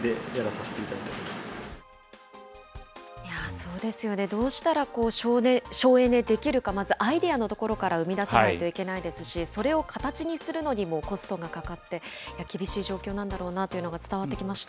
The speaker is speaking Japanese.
そうですよね、どうしたら省エネできるか、まずアイデアのところから生み出さないといけないですし、それを形にするのにもコストがかかって、厳しい状況なんだろうなというのが伝わってきました。